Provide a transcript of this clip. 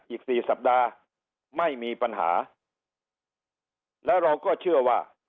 อีกสี่สัปดาห์ไม่มีปัญหาแล้วเราก็เชื่อว่า